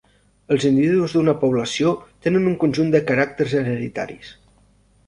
Els individus d'una població tenen un conjunt de caràcters hereditaris.